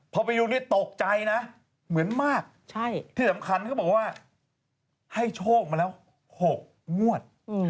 พอไปดูนี่ตกใจนะเหมือนมากที่สำคัญเขาบอกว่าให้โชคมาแล้ว๖งวด